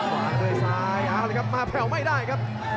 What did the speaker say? มาด้วยซ้ายเอาเลยครับมาแผ่วไม่ได้ครับ